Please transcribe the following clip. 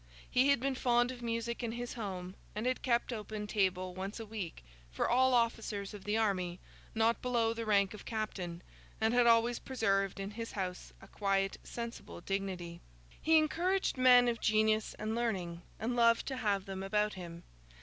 He had been fond of music in his home, and had kept open table once a week for all officers of the army not below the rank of captain, and had always preserved in his house a quiet, sensible dignity. He encouraged men of genius and learning, and loved to have them about him.